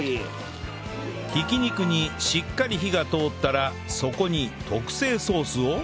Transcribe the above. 挽き肉にしっかり火が通ったらそこに特製ソースを